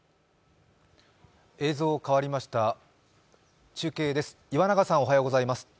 映像変わりました、中継です